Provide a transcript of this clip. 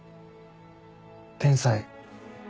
「天才」。